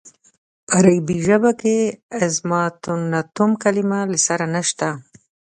په عربي ژبه کې اظماننتم کلمه له سره نشته.